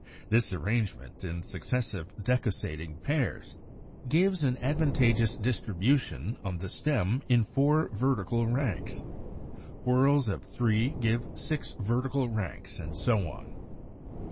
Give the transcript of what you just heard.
This arrangement in successive decussating pairs gives an advantageous distribution on the stem in four vertical ranks. Whorls of three give six vertical ranks, and so on.